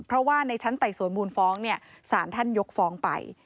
เพราะว่าในชั้นไต่สวนมูลฟ้องเนี่ยสารท่านยกฟ้องไป